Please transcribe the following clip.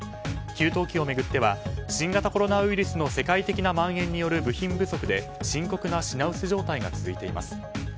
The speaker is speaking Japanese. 給湯器を巡っては新型コロナウイルスの世界的な蔓延による部品不足で深刻な品薄状態が続いています。